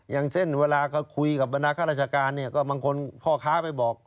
อย่างเช่นเวลาก็คุยกับบรรดาข้าราชการเนี่ยก็บางคนพ่อค้าไปบอก